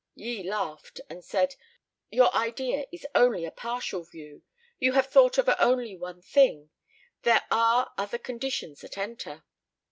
Yi laughed and said, "Your idea is only a partial view, you have thought of only one thing, there are other conditions that enter."